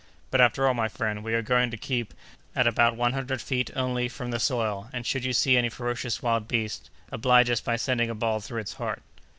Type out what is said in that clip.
But, after all, my friend, we are going to keep at about one hundred feet only from the soil, and, should you see any ferocious wild beast, oblige us by sending a ball through its heart!"